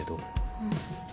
うん。